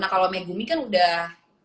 kalau megumi kan udah